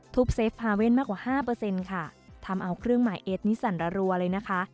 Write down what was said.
เซฟพาเว่นมากกว่าห้าเปอร์เซ็นต์ค่ะทำเอาเครื่องหมายเอสนี้สั่นระรัวเลยนะคะ